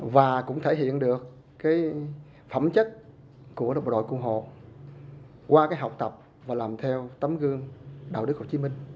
và cũng thể hiện được cái phẩm chất của đội cung hồ qua cái học tập và làm theo tấm gương đạo đức hồ chí minh